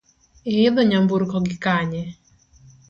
Iidho nyamburko gi kanye?